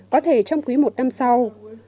có thể trong quý một năm sau